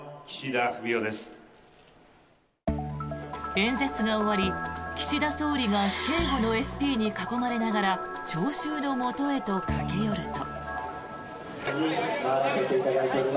演説が終わり、岸田総理が警護のＳＰに囲まれながら聴衆のもとへと駆け寄ると。